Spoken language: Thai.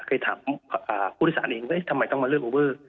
เคยถามผู้โดยสารเองว่าทำไมต้องมาเลือกโอเวอร์